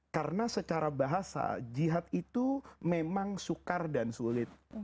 karena secara bahasa jihad itu memang sukar dan sulit